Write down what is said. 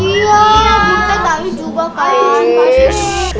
iya butet tapi juga kawan